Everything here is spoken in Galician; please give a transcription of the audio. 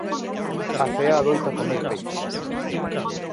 Á cea adoita comer peixe.